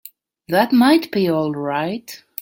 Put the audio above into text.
That might be all right.